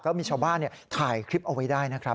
มีชาวบ้านถ่ายคลิปเอาไว้ได้นะครับ